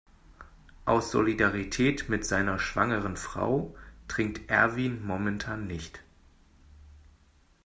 Aus Solidarität mit seiner schwangeren Frau trinkt Erwin momentan nicht.